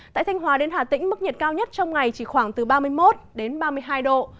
tại thanh hòa đến hà tĩnh mức nhiệt cao nhất trong ngày chỉ khoảng từ ba mươi một đến ba mươi hai độ